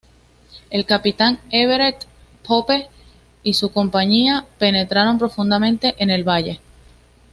El capitán Everett P. Pope y su compañía penetraron profundamente en el valle.